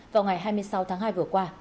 vào ngày hai mươi sáu tháng hai vừa qua